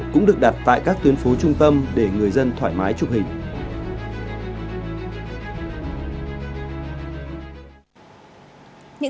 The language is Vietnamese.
cũng được đặt tại các tuyến phố trung tâm để người dân thoải mái chụp hình